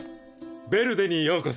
ヴェルデにようこそ。